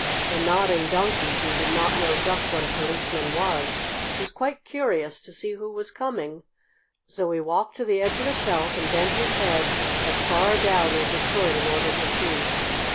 the Nodding Donkey, who did not know just what a policeman was, was quite curious to see who was coming. So he walked to the edge of the shelf and bent his head as far down as he could in order to see.